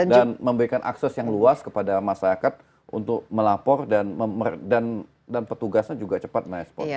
dan memberikan akses yang luas kepada masyarakat untuk melapor dan petugasnya juga cepat merespon